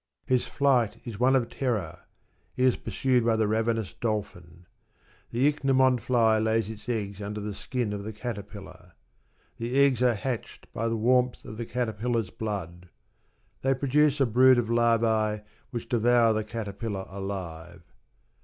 His flight is one of terror; he is pursued by the ravenous dolphin. The ichneumon fly lays its eggs under the skin of the caterpillar. The eggs are hatched by the warmth of the caterpillar's blood. They produce a brood of larvae which devour the caterpillar alive.